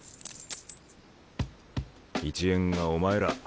一円がお前ら。